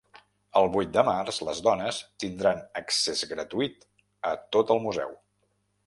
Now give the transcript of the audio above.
El vuit de març les dones tindran accés gratuït a tot el museu.